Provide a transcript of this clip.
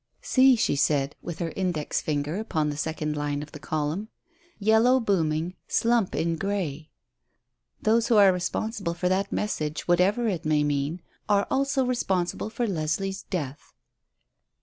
"See," she said, with her index finger upon the second line of the column. "'Yellow booming slump in Grey.' Those who are responsible for that message, whatever it may mean, are also responsible for Leslie's death."